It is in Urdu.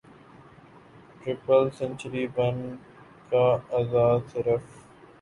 ٹرپل سنچری بن کا اعزاز صرف